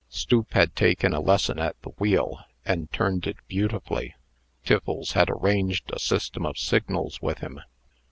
Stoop had taken a lesson at the wheel, and turned it beautifully. Tiffles had arranged a system of signals with him.